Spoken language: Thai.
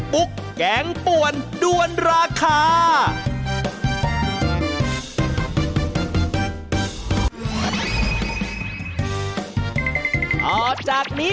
ลุกขึ้นยืน